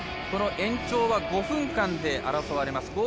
延長は５分間で争われます。